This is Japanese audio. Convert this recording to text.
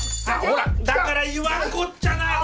ほらだから言わんこっちゃない。